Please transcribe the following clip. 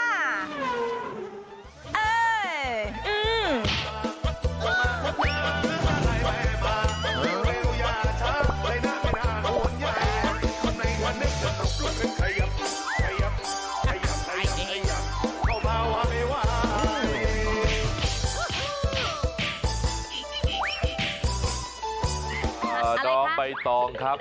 อะไรคะค่ะดองไบตองครับ